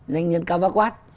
nhanh nhân cao vác quát